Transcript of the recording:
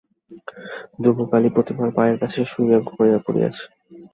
ধ্রুব কালীপ্রতিমার পায়ের কাছে শুইয়া ঘুমাইয়া পড়িয়াছে।